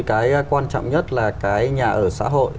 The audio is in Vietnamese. cái quan trọng nhất là cái nhà ở xã hội